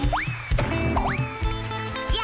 ย่าดาวเก่าอีกย้า